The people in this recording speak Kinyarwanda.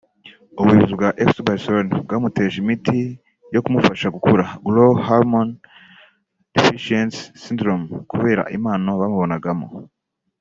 ubuyobozi bwa Fc Barcelona bwamuteje imiti yo kumufasha gukura (growth hormone deficiency syndrome) kubera impano bamubonagamo